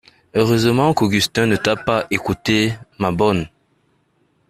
Heureusement qu'Augustin ne t'a pas écoutée, ma bonne!